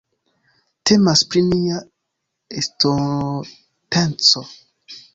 Temas pri nia estonteco.